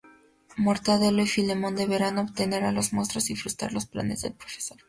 Mortadelo y Filemón deberán detener a los monstruos y frustrar los planes del profesor.